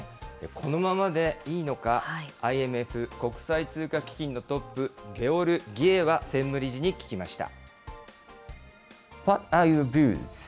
このままでいいのか、ＩＭＦ・国際通貨基金のトップ、ゲオルギエワ専務理事に聞きました。